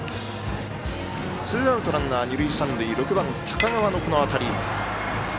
ツーアウトランナー、二塁三塁６番高川の、この当たり。